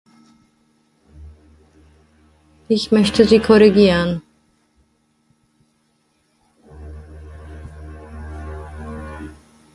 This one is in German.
Ich möchte Sie korrigieren.